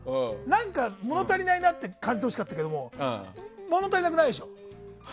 何か物足りないなと感じてほしかったけど物足りなくないでしょ。